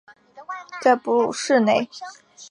在哺乳室内